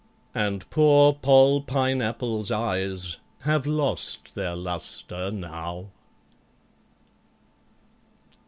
And poor POLL PINEAPPLE'S eyes have lost their lustre now!